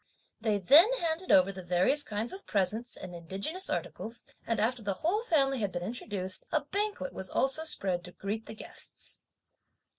They then handed over the various kinds of presents and indigenous articles, and after the whole family had been introduced, a banquet was also spread to greet the guests.